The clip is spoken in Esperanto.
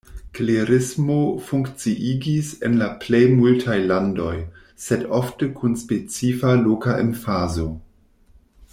Klerismo funkciigis en la plej multaj landoj, sed ofte kun specifa loka emfazo.